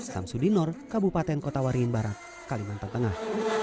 sam sudinor kabupaten kota waringin barat kalimantan tengah